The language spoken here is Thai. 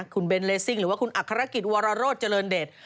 คุณเบนเลซิ่งหรือว่าคุณอัครกิจวรโรธเจริญเดช